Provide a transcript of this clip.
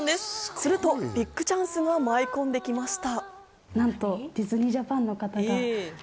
するとビッグチャンスが舞い込んできました。